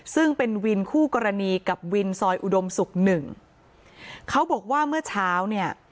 ซึ่งเป็นวินคู่กรณีกับวินซอยอุดมศุกร์หนึ่งเขาบอกว่าเมื่อเช้าเนี่ย